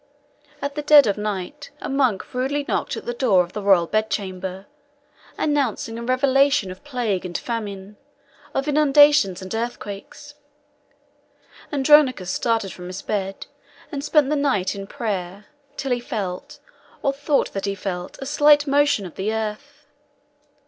At the dead of night, a monk rudely knocked at the door of the royal bed chamber, announcing a revelation of plague and famine, of inundations and earthquakes. Andronicus started from his bed, and spent the night in prayer, till he felt, or thought that he felt, a slight motion of the earth.